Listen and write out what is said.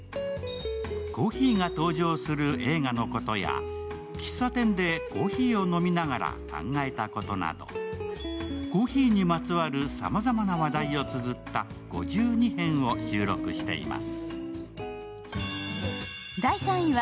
コーヒーが登場する映画のことや、喫茶店でコーヒーを飲みながら考えたことなどコーヒーにまつわるさまざまな話題をつづった５２編を収録しています。